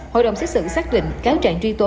hội đồng xét xử xác định cáo trạng truy tố